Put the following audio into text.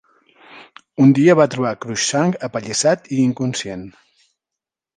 Un dia va trobar Crookshank apallissat i inconscient.